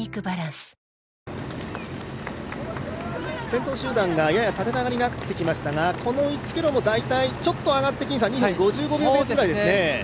先頭集団がやや縦長になってきましたが、この１ｋｍも大体ちょっと上がって、２分５５秒ペースですね。